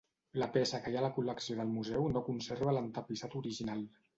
La peça que hi ha a la col·lecció del museu no conserva l'entapissat original.